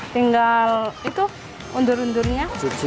tinggal itu undur undurnya